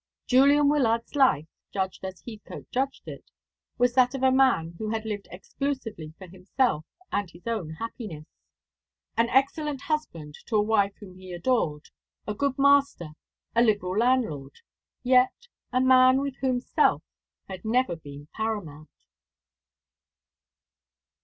Julian Wyllard's life, judged as Heathcote judged it, was that of a man who had lived exclusively for himself and his own happiness. An excellent husband to a wife whom he adored, a good master, a liberal landlord; yet a man with whom self had ever been paramount.